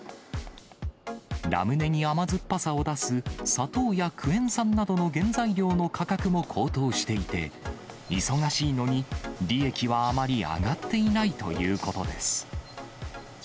ラムネに甘酸っぱさを出す砂糖やクエン酸などの原材料の価格も高騰していて、忙しいのに、利益はあまり上がっていないということです。